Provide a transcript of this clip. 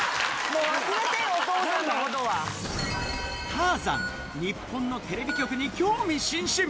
ターザン日本のテレビ局に興味津々！